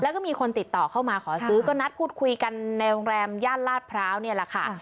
แล้วก็มีคนติดต่อเข้ามาขอซื้อก็นัดพูดคุยกันในโรงแรมย่านลาดพร้าวนี่แหละค่ะ